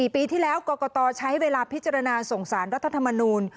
ปีที่แล้วกรกตใช้เวลาพิจารณาส่งสารรัฐธรรมนูล